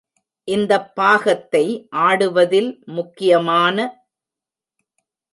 இந்தப் பாகத்தை ஆடுவதில் முக்கியமான.